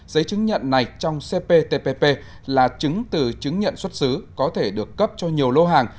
giấy chứng nhận này trong cptpp là chứng từ chứng nhận xuất xứ có thể được cấp cho nhiều lô hàng